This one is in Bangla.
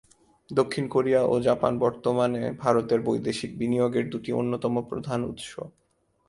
দক্ষিণ কোরিয়া ও জাপান বর্তমানে ভারতের বৈদেশিক বিনিয়োগের দুটি অন্যতম প্রধান উৎস।